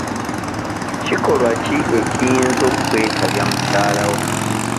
Kikolwa ki ekiyinza okkwetabya mukyala wo.